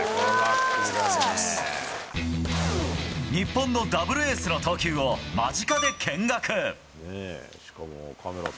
日本のダブルエースの投球を、間近で見学。